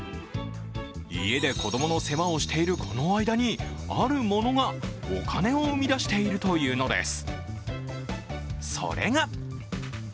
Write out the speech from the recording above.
家で子供の世話をしているこの間に、あるものがお金を生み出しているというのです。